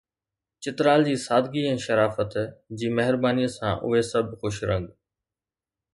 چترال جي سادگي ۽ شرافت جي مهربانيءَ سان اهي سڀ خوش رنگ